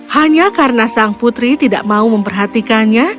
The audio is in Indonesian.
hanya karena sang putri tidak mau memperhatikannya